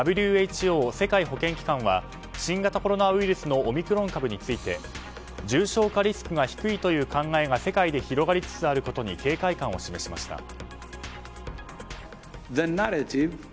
ＷＨＯ・世界保健機関は新型コロナウイルスのオミクロン株について重症化リスクが低いという考えが世界で広がりつつあることに警戒感を示しました。